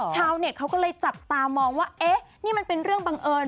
ชาวเน็ตเขาก็เลยจับตามองว่าเอ๊ะนี่มันเป็นเรื่องบังเอิญ